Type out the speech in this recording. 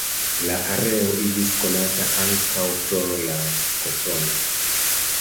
La areo iĝis konata ankaŭ pro la kotono.